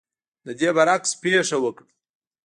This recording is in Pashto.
د دې برعکس پېښه وکړه.